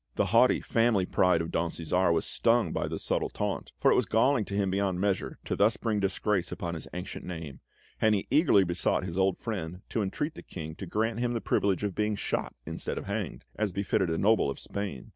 The haughty family pride of Don Cæsar was stung by this subtle taunt, for it was galling to him beyond measure to thus bring disgrace upon his ancient name, and he eagerly besought his old friend to entreat the King to grant him the privilege of being shot instead of hanged, as befitted a noble of Spain.